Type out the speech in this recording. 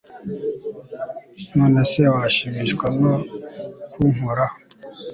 none se washimishwa no kunkuraho